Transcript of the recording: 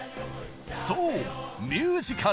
そうミュージカル！